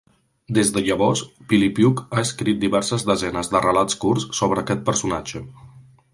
Des de llavors, Pilipiuk ha escrit diverses desenes de relats curts sobre aquest personatge.